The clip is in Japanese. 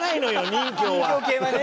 任侠系はね。